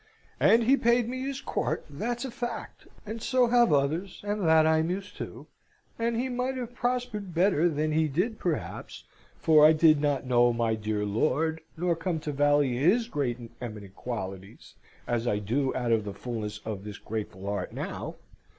And he paid me his court, that's a fact; and so have others, and that I'm used to; and he might have prospered better than he did perhaps (for I did not know my dear lord, nor come to vally his great and eminent qualities, as I do out of the fulness of this grateful heart now!)